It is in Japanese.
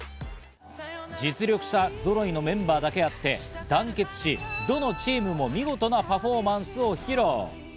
実力者ぞろいのメンバーだけあって団結し、どのチームも見事なパフォーマンスを披露。